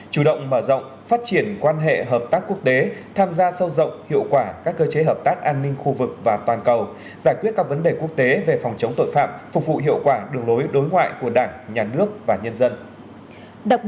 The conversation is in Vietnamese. chủ động mở rộng phát triển quan hệ hợp tác quốc tế tham gia sâu rộng hiệu quả các cơ chế hợp tác an ninh khu vực và toàn cầu giải quyết các vấn đề quốc tế về phòng chống tội phạm phục vụ hiệu quả đường lối đối ngoại của đảng nhà nước và nhân dân